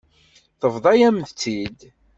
Tebḍa-yam-tt-id.